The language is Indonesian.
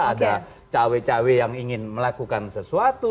ada cawe cawe yang ingin melakukan sesuatu